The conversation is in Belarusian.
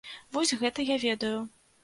Вось гэта я ведаю!